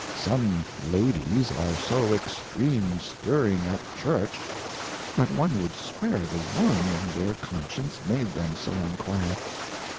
Some Ladies are so extream stirring at Church, that one would swear the Worm in their Conscience made them so imquiet.